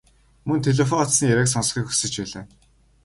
Мөн телефон утасны яриаг сонсохыг хүсэж байлаа.